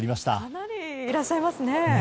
かなりいらっしゃいますね。